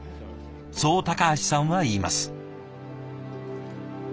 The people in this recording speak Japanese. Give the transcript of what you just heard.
そう橋さんは言います。